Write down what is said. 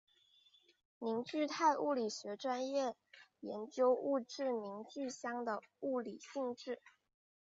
凝聚态物理学专门研究物质凝聚相的物理性质。